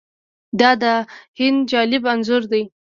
دا د هند جالب انځور دی.